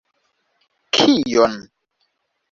Kion?